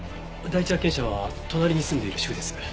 第一発見者は隣に住んでいる主婦です。